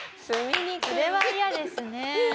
それは嫌ですね。